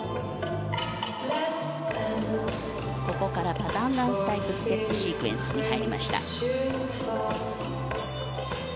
パターンダンスタイプのステップシークエンスに入りました。